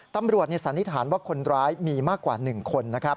ตำรวจสันนิษฐานว่าคนร้ายมีมากกว่าหนึ่งคน